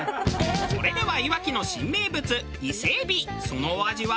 それではいわきの新名物伊勢海老そのお味は。